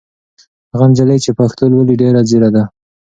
هغه نجلۍ چې پښتو لولي ډېره ځېره ده.